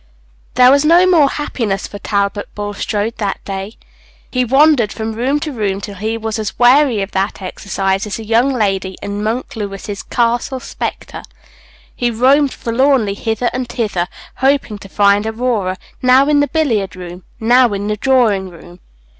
There was no more happiness for Talbot Bulstrode that day. He wandered from room to room till he was as weary of that exercise as the young lady in Monk Lewis's Castle Spectre; he roamed forlornly hither and thither, hoping to find Aurora, now in the billiard room, now in the drawing room.